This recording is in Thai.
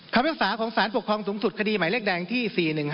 คำยกษาของสารปกครองสูงสุดคดีใหม่เลขแดงที่๔๑๕๒๕๕๗